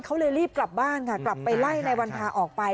เขาเลยรีบกลับบ้านค่ะกลับไปไล่ในวันพาออกไป